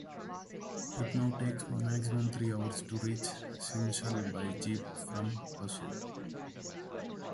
It now takes maximum three hours to reach Shimshal by jeep from Passu.